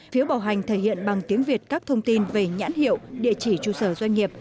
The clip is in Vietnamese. phiếu bảo hành thể hiện bằng tiếng việt các thông tin về nhãn hiệu địa chỉ trụ sở doanh nghiệp